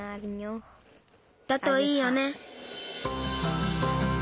だといいよね。